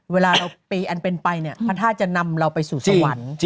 เวลาเราปีอันเป็นไปเนี่ยพระธาตุจะนำเราไปสู่สวรรค์